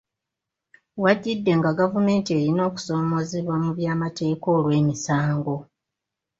W'ajjidde nga gavumenti erina okusoomoozebwa mu by’amateeka olw’emisango.